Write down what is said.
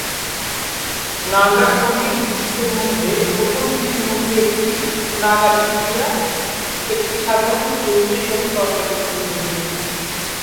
নাগা সংগীত বৃত্তের মধ্যে প্রথমটির মধ্যে একটি, নাগা শিল্পীরা একটি সাধারণ পরিবেশগত কারণে একত্রিত হয়েছিল।